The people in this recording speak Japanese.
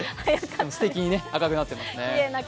すてきに赤くなってますね。